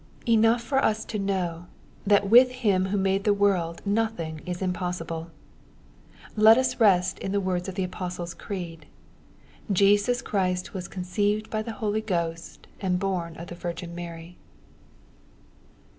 Enough for us to know, that with Him who made the world nothing is impossible. Let us rest in the words of the Apostles' Creed :" Jesus Christ was conceived by the Holy Ghost, and born of the Virgin Mary."